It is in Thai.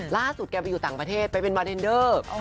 ล่าสุดแกไปอยู่ต่างประเทศไปเป็นมาเรนเดอร์